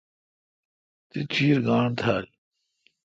تی چیر گاݨڈ تھال۔